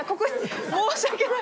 申し訳ない。